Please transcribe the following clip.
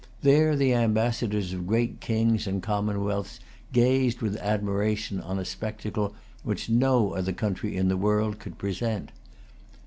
There the Ambassadors of great Kings and Commonwealths gazed with admiration on a spectacle which no other country in the world could present.